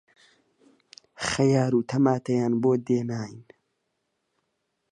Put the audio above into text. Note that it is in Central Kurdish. خەیار و تەماتەیان بۆ دێناین